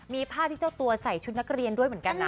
มีภาพที่เจ้าตัวใส่ชุดนักเรียนด้วยเหมือนกันนะ